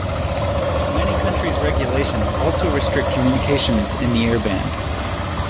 Many countries' regulations also restrict communications in the airband.